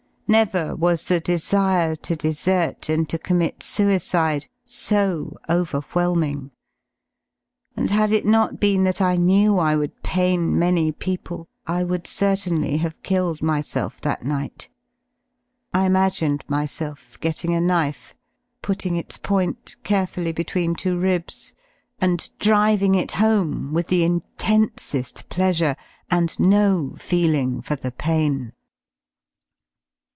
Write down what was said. Never was the desire to desert and '^ J to commit suicide so overv/helming, and hadit n ot^Bee n "thatIlnewTrwo33pain many people, Iwould certainly have killed myself that nigEtT^ITmagined myself getting a ^ knife, putting its point carefully between two ribs, and K driving it home with the intense^ pleasure and no feeling (f for the pain.